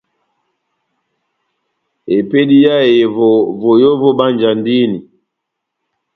Epédi yá ehevo, voyó vobánjandini.